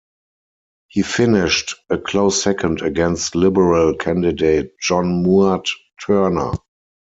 He finished a close second against Liberal candidate John Mouat Turner.